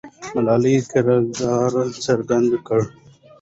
د ملالۍ کردار څرګند کړه.